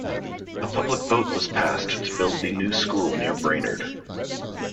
A public vote was passed to build the new school near Brainerd.